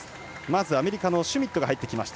アメリカのシュミットが入ってきました。